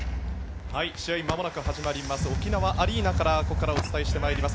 試合、まもなく始まります沖縄アリーナからお伝えします。